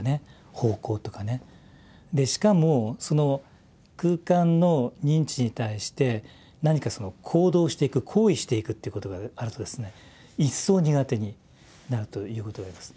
でしかもその空間の認知に対して何か行動していく行為していくっていうことがあるとですね一層苦手になるということがあります。